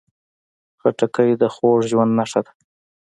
خټکی د خوږ ژوند نښه ده.